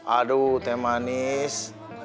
aduh teh manis